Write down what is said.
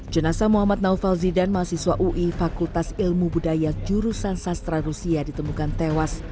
jenasa muhammad naufal zidan mahasiswa ui fakultas ilmu budaya jurusan sastra rusia ditemukan tewas